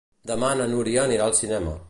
Demà na Núria anirà al cinema.